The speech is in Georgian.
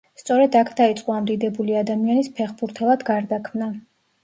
სწორედ აქ დაიწყო ამ დიდებული ადამიანის ფეხბურთელად გარდაქმნა.